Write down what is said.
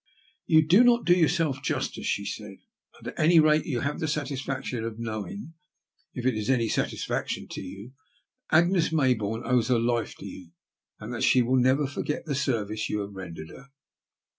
You do not do yourself justice," she said. ^* Bui, at any rate, you have the satisfaction of knowing, if it is any satisfaction to you, that Agnes Mayboume owes her life to you, and that she will never forget the service you have rendered her."